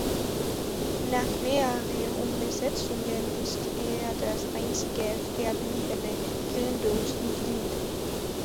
Nach mehreren Umbesetzungen ist er das einzige verbliebene Gründungsmitglied.